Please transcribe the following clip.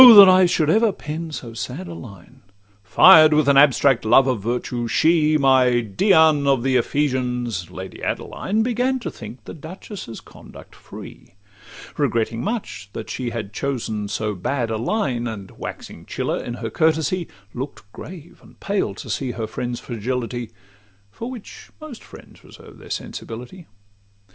that I should ever pen so sad a line! Fired with an abstract love of virtue, she, My Dian of the Ephesians, Lady Adeline, Began to think the duchess' conduct free; Regretting much that she had chosen so bad a line, And waxing chiller in her courtesy, Look'd grave and pale to see her friend's fragility, For which most friends reserve their sensibility.